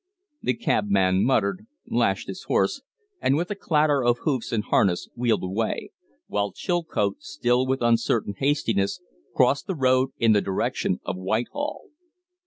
The cabman muttered, lashed his horse, and with a clatter of hoofs and harness wheeled away; while Chilcote, still with uncertain hastiness, crossed the road in the direction of Whitehall.